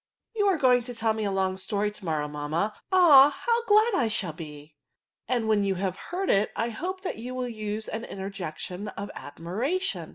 " You are to tell me a long story to« morrow, mamma. Ah ! how glad I shall be 1" And when you have heard it, I hope you will use an interjection of admiration."